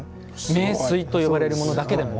名水と呼ばれるものだけでも。